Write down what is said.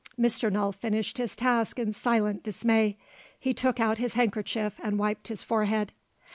Mr. Null finished his task in silent dismay. He took out his handkerchief and wiped his forehead.